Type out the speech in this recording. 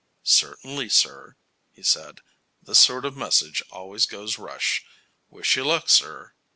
"Certainly, sir," he said. "This sort of a message always goes rush. Wish you luck, sir."